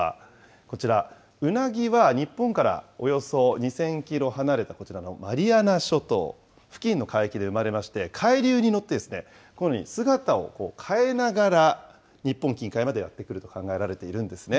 こちら、うなぎは日本からおよそ２０００キロ離れたこちらのマリアナ諸島付近の海域で産まれまして、海流に乗って、このように姿を変えながら日本近海までやって来ると考えられているんですね。